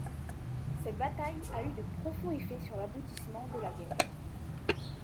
Cette bataille a eu de profonds effets sur l'aboutissement de la guerre.